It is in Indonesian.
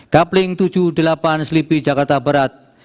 kapling tujuh puluh delapan selipi jakarta barat